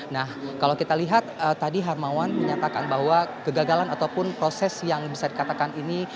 nah kalau kita lihat tadi hermawan menyatakan bahwa kegagalan ataupun proses yang bisa dikatakan ini